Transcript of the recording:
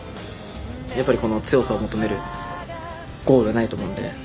やっぱり強さを求めるゴールはないと思うので。